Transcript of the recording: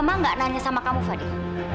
mama gak nanya sama kamu fadi